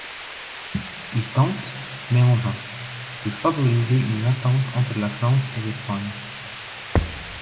Il tente, mais en vain, de favoriser une entente entre la France et l'Espagne.